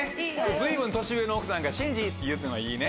随分年上の奥さんが真治！って言うっていうのはいいね。